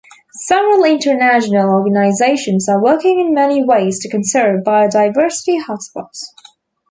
Several international organizations are working in many ways to conserve biodiversity hotspots.